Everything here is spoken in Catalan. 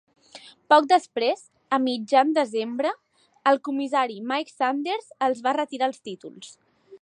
Poc després, a mitjan desembre, el comissari Mike Sanders els va retirar els títols.